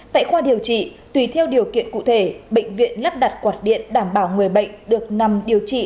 tại khoa điều trị tùy theo điều kiện cụ thể bệnh viện lắp đặt quạt điện đảm bảo người bệnh được nằm điều trị